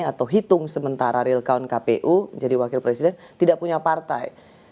atau hitung sementara real count kpu menjadi wakil presiden tidak punya partai